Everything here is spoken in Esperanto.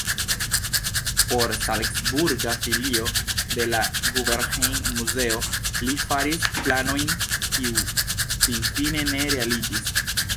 Por salcburga filio de la Guggenheim-muzeo li faris planojn, kiu finfine ne realiĝis.